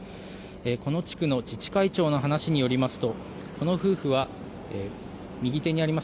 この地区の自治会長の話によりますとこの夫婦は、右手にあります